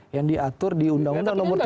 yang diatur di undang undang nomor tujuh belas